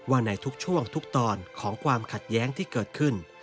ในทุกช่วงทุกตอนของความขัดแย้งที่เกิดขึ้น